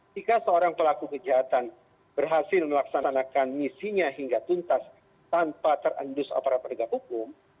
jika seorang pelaku kejahatan berhasil melaksanakan misinya hingga tuntas tanpa terendus aparat penegak hukum